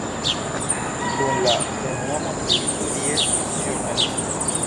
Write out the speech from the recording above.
Dum la Unua mondmilito, li estis ĵurnalisto.